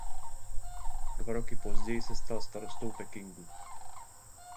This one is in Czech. O dva roky později se stal starostou Pekingu.